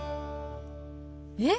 えっ！